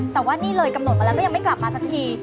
แต่ว่านี่เลยกำหนดมาแล้วก็ยังไม่กลับมาสักที